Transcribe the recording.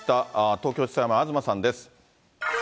東京地裁前、東さんです。